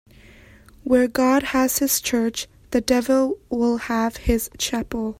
Where God has his church, the devil will have his chapel.